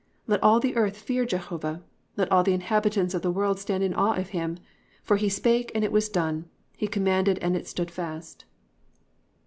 (8) Let all the earth fear Jehovah: let all the inhabitants of the world stand in awe of him. (9) For he spake, and it was done; he commanded, and it stood fast."